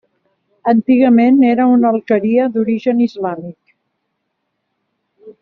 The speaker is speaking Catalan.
Antigament era una alqueria d’origen islàmic.